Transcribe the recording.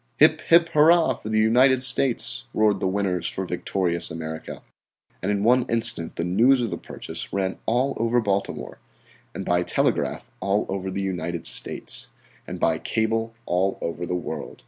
"Hip, hip, hurrah for the United States," roared the winners for victorious America. And in one instant the news of the purchase ran all over Baltimore, and by telegraph all over the United States, and by cable all over the Old World.